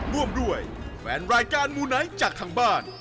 ร่วมด้วยแฟนรายการมูไนท์จากทางบ้าน